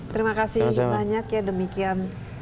terima kasih banyak ya demikian